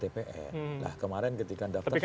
tpn nah kemarin ketika daftar